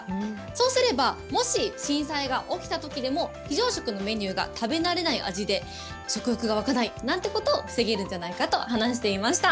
そうすれば、もし震災が起きたときでも、非常食のメニューが食べ慣れない味で、食欲が湧かないなんてことを防げるんじゃないかと話していました。